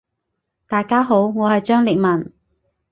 大家好，我係張力文。